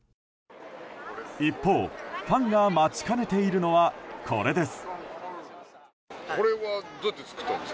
一方ファンが待ちかねているのはこれです。